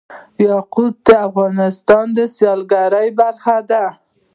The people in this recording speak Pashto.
یاقوت د افغانستان د سیلګرۍ برخه ده.